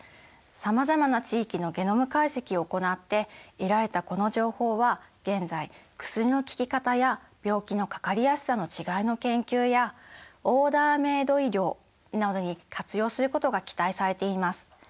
さまざまな地域のゲノム解析を行って得られたこの情報は現在薬の効き方や病気のかかりやすさの違いの研究やオーダーメイド医療などに活用することが期待されています。